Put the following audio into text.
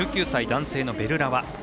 １９歳男性のベルラワ。